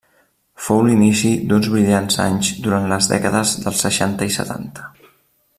Fou l'inici d'uns brillants anys durant les dècades dels seixanta i setanta.